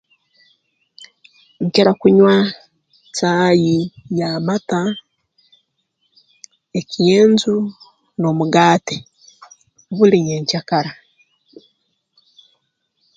Nkira kunywa caayi y'amata ekyenju n'omugate buli nyenkya kara